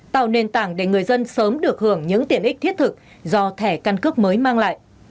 tạo nền tảng để người dân sớm được hưởng những tiện ích thiết thực do thẻ căn cước mới mang lại